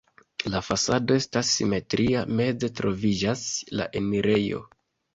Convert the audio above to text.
La fasado estas simetria, meze troviĝas la enirejo.